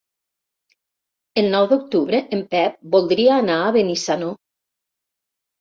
El nou d'octubre en Pep voldria anar a Benissanó.